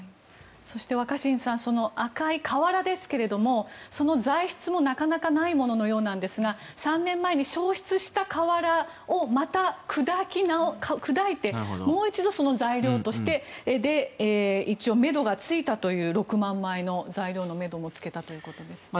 そして若新さん赤い瓦ですがその材質もなかなかないもののようですが３年前に焼失した瓦をまた砕いてもう一度その材料として一応、めどがついたという６万枚の材料のめどもつけたということですね。